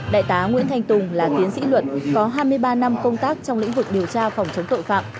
đại tá nguyễn thanh tùng là tiến sĩ luật có hai mươi ba năm công tác trong lĩnh vực điều tra phòng chống tội phạm